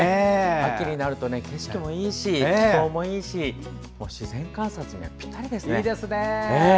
秋になると、景色もいいし気候もいいし自然観察にはぴったりですね。